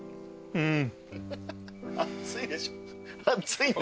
うん！